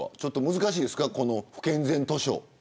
難しいですか、不健全図書。